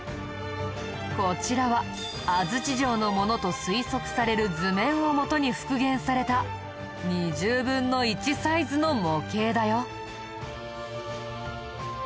こちらは安土城のものと推測される図面をもとに復元された２０分の１サイズの模型だよ。